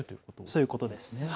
そういうことです。